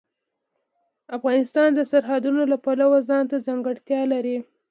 افغانستان د سرحدونه د پلوه ځانته ځانګړتیا لري.